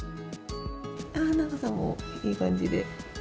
長さもいい感じで。